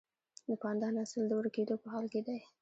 د پاندا نسل د ورکیدو په حال کې دی